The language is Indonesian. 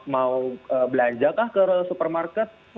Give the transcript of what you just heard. mau belanjakah ke supermarket